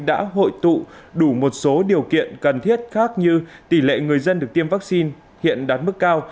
đã hội tụ đủ một số điều kiện cần thiết khác như tỷ lệ người dân được tiêm vaccine hiện đạt mức cao